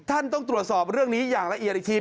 ต้องตรวจสอบเรื่องนี้อย่างละเอียดอีกที